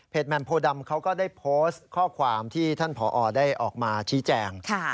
แหม่มโพดำเขาก็ได้โพสต์ข้อความที่ท่านผอได้ออกมาชี้แจง